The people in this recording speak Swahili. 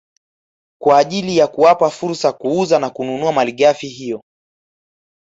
Kwa ajili ya kuwapa fursa kuuza na kununua malighafi hiyo